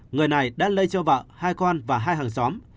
người này đã lây cho vợ hai con và hai hàng xóm